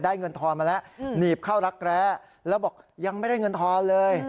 เงินทอนมาแล้วหนีบเข้ารักแร้แล้วบอกยังไม่ได้เงินทอนเลย